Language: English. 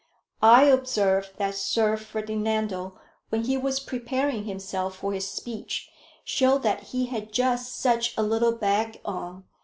I observed that Sir Ferdinando, when he was preparing himself for his speech, showed that he had just such a little bag on.